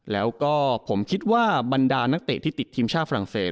แล้วก็ผมคิดว่าบรรดานักเตะที่ติดทีมชาติฝรั่งเศส